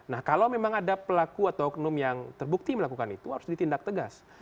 nah kalau memang ada pelaku atau oknum yang terbukti melakukan itu harus ditindak tegas